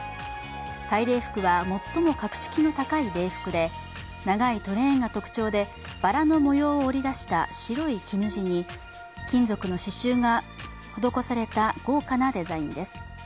大礼服は最も格式の高い礼服で、長いトレーンが特徴でばらの模様を織り出した白い絹地に金属の刺しゅうが施された豪華なデザインです。